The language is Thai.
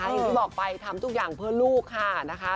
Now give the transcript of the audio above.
อย่างที่บอกไปทำทุกอย่างเพื่อลูกค่ะนะคะ